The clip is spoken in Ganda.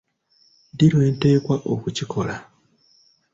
Ddi lwenteekwa okukikola ?